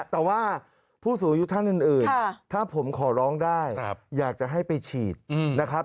แต่ว่าผู้สูงอายุท่านอื่นถ้าผมขอร้องได้อยากจะให้ไปฉีดนะครับ